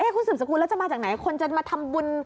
คุณสืบสกุลแล้วจะมาจากไหนคนจะมาทำบุญ